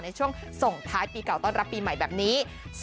ในช่วงส่งท้ายปีเก่าต้อนรับปีใหม่แบบนี้